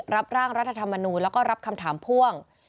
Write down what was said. รับร่างรัฐธรรมนูลแล้วก็รับคำถามพ่วง